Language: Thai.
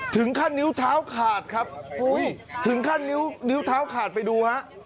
ถึงขั้นนิ้วเท้าขาดครับถึงขั้นนิ้วเท้าขาดไปดูฮะ